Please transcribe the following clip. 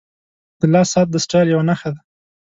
• د لاس ساعت د سټایل یوه نښه ده.